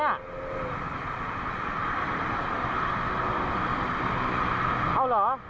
เอาเหรอ